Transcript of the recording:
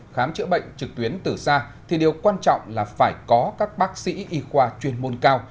khám chữa bệnh trực tuyến từ xa thì điều quan trọng là phải có các bác sĩ y khoa chuyên môn cao